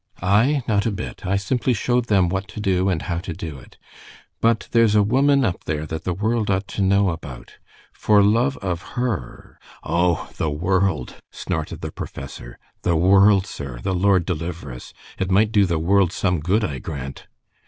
"I? Not a bit. I simply showed them what to do and how to do it. But there's a woman up there that the world ought to know about. For love of her " "Oh, the world!" snorted the professor. "The world, sir! The Lord deliver us! It might do the world some good, I grant."